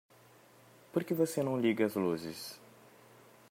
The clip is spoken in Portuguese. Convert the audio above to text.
Por que você não liga as luzes?